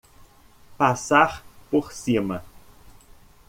Passar por cima